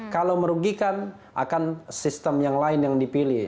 kalau merugikan akan sistem yang lain yang dipilih